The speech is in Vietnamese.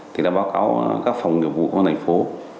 thì đã báo cáo các phòng nghiệp vụ của thành phố